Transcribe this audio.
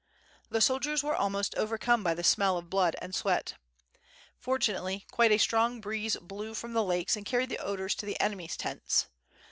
The soldiers were almost overcome by the smell of blood and sweat. Fortunately quite a strong breeze blew from the lakes and carried the odors to the enemy's tents.